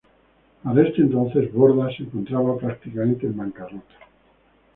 Para este entonces Borda se encontraba prácticamente en bancarrota.